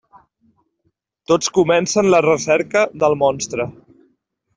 Tots comencen la recerca del Monstre.